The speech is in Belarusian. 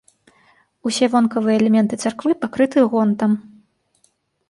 Усе вонкавыя элементы царквы пакрыты гонтам.